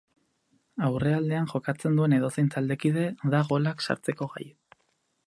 Aurrealdean jokatzen duen edozein taldekide da golak sartzeko gai.